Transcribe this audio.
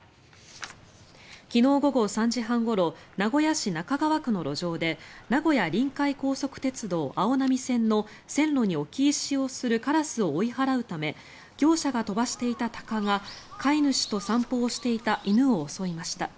昨日午後３時半ごろ名古屋市中川区の路上で名古屋臨海高速鉄道あおなみ線の線路に置き石をするカラスを追い払うため業者が飛ばしていたタカが飼い主と散歩をしていた犬を襲いました。